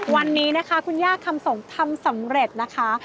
วันนี้นะคะคุณย่าคำสมทำสำเร็จนะคะ